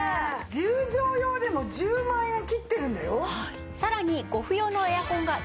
１０畳用でも１０万円切ってるんだよ？